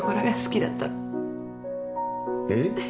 えっ！？